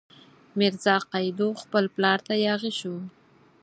میرزا قیدو خپل پلار ته یاغي شو.